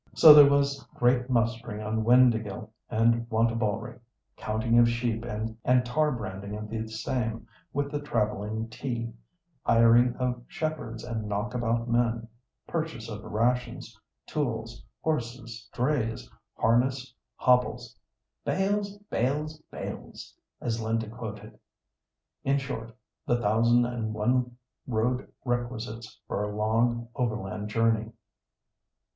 So there was great mustering on Windāhgil and Wantabalree. Counting of sheep and tar branding of the same with the travelling "T," hiring of shepherds and "knock about" men. Purchase of rations, tools, horses, drays, harness, hobbles, "bells, bells, bells"—as Linda quoted—in short, the thousand and one road requisites for a long overland journey.